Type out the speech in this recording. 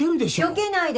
よけないでよ。